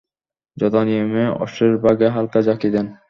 যথা নিয়মে অশ্বের বাগে হালকা ঝাঁকি দেন।